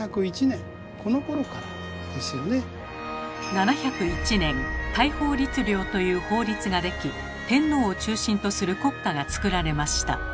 ７０１年大宝律令という法律ができ天皇を中心とする国家がつくられました。